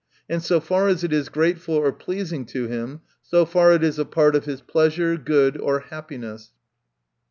And so far as it is grateful or pleasing to him, so far it is a part of his pleasure, good, or hap piness.